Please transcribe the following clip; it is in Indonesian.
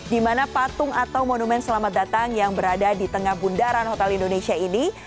di mana patung atau monumen selamat datang yang berada di tengah bundaran hotel indonesia ini